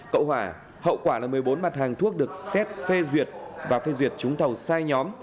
cậu hỏa hậu quả là một mươi bốn mặt hàng thuốc được xét phê duyệt và phê duyệt trúng thầu sai nhóm